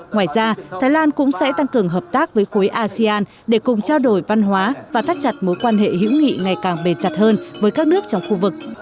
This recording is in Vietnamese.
ngoài ra thái lan cũng sẽ tăng cường hợp tác với khối asean để cùng trao đổi văn hóa và thắt chặt mối quan hệ hữu nghị ngày càng bền chặt hơn với các nước trong khu vực